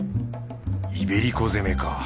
イベリコ攻めか。